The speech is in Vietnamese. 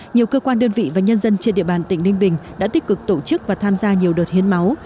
nhiều cơ quan đơn vị và nhân dân trên địa bàn tỉnh ninh bình đã tích cực tổ chức và tham gia nhiều đợt hiến máu